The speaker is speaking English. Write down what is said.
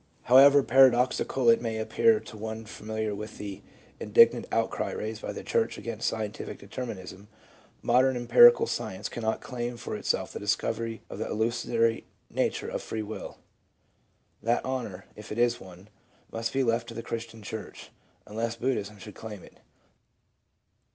However paradoxical it may appear to one familiar with the indignant outcry raised by the church against scientific determinism, modern empirical science cannot claim for itself the discovery of the illusory nature of free will ; that honor — if it is one — must be left to the Christian church, un less Buddhism should claim it.